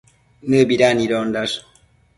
Nëbida niondash